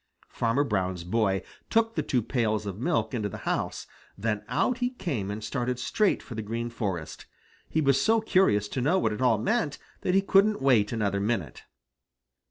Farmer Brown's boy took the two pails of milk into the house, then out he came and started straight for the Green Forest. He was so curious to know what it all meant that he couldn't wait another minute.